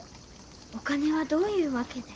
お金はどういう訳で？